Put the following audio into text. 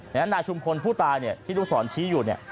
นายชุมพลผู้ตายเนี่ยที่ลูกศรชี้อยู่เนี่ย